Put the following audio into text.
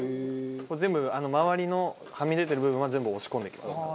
全部周りのはみ出てる部分は全部押し込んでいきます。